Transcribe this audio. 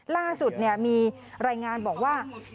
ล่าสุดมีรายงานบอกว่า